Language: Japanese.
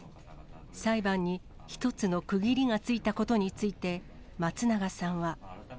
裁判に、一つの区切りがついたことについて、松永さんは。